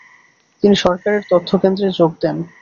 তিনি সরকারের তথ্যকেন্দ্রে যোগ দেন।